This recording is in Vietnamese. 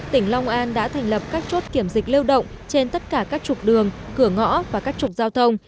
tỉnh long an đã thành lập các chốt kiểm dịch lưu động trên tất cả các trục đường cửa ngõ và các trục giao thông